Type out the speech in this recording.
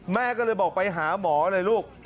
แม่ก็เลยบอกไปหาหมอเลยลูก